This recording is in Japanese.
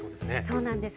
そうなんです。